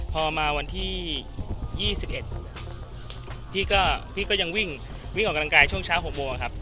พอมาวันที่๒๑พี่ก็ยังวิ่งออกกำลังกายช่วงเช้า๖โมงครับ